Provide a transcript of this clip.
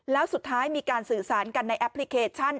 แล้วสุดท้ายมีการสื่อสารกันในแอปพลิเคชัน